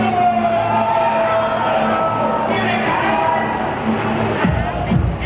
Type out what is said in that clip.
ว้าวว้าวว้าวว้าว